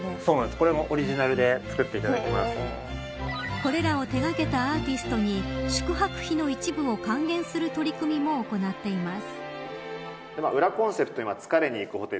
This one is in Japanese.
これらを手掛けたアーティストに宿泊費の一部を還元する取り組みも行っています。